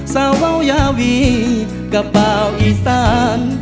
สาววาวยาวีกระเป๋าอีสาน